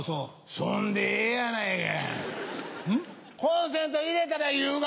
そんでええやないか。